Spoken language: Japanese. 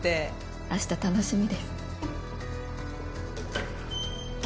明日楽しみです。